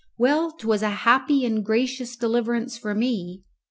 Well, 'twas a happy and gracious deliverance for me.